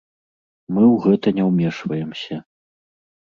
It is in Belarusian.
Мы ў гэта не ўмешваемся.